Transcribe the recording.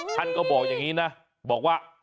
ท่านก็บอกอย่างนี้นะบอกว่า